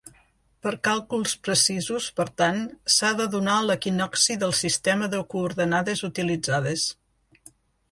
Per càlculs precisos, per tant, s'ha de donar l'equinocci del sistema de coordenades utilitzades.